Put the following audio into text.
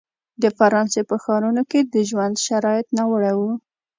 د فرانسې په ښارونو کې د ژوند شرایط ناوړه وو.